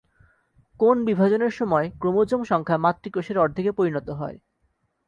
কোন বিভাজনের সময় ক্রোমোজোম সংখ্যা মাতৃকোষের অর্ধেকে পরিণত হয়?